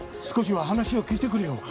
少しは話を聞いてくれよ。